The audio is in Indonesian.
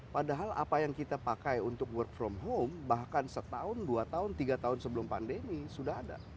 padahal apa yang kita pakai untuk work from home bahkan setahun dua tahun tiga tahun sebelum pandemi sudah ada